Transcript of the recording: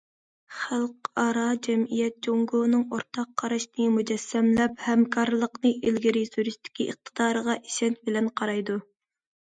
خەلقئارا جەمئىيەت جۇڭگونىڭ ئورتاق قاراشنى مۇجەسسەملەپ، ھەمكارلىقنى ئىلگىرى سۈرۈشتىكى ئىقتىدارىغا ئىشەنچ بىلەن قارايدۇ.